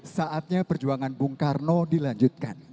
saatnya perjuangan bung karno dilanjutkan